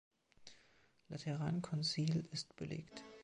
Laterankonzil ist belegt.